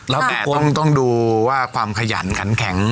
แล้วต้องดูว่าความขยันขันแข็ง